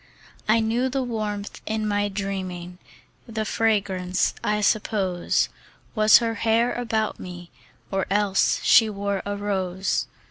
I knew the warmth in my dreaming; The fragrance, I suppose, Was her hair about me, Or else she wore a rose.